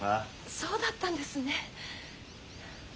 そうだったんですね。